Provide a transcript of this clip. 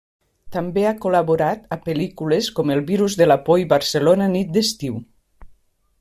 També ha col·laborat a pel·lícules com el Virus de la Por i Barcelona, nit d'estiu.